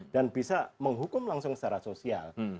dan bisa menghukum langsung secara sosial